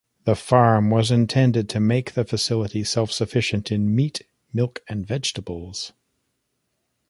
The farm was intended to make the facility self-sufficient in meat, milk and vegetables.